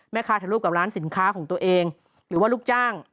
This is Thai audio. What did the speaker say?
ถ่ายรูปกับร้านสินค้าของตัวเองหรือว่าลูกจ้าง